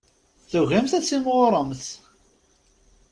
Tugimt ad timɣuremt.